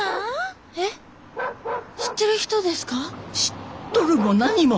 知っとるも何も。